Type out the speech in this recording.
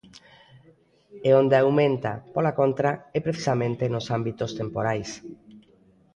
E onde aumenta, pola contra, é precisamente nos ámbitos temporais.